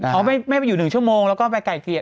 เขาไม่อยู่๑ชั่วโมงแล้วก็อั้นไปไก่เกียร์